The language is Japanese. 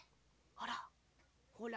あらほら。